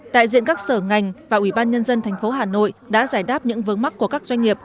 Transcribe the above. tại diện các sở ngành và ủy ban nhân dân tp hà nội đã giải đáp những vớn mắc của các doanh nghiệp